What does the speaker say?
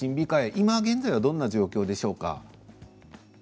今はどんな状況でしょうか？